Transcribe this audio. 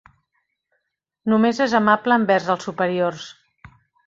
Només és amable envers els superiors.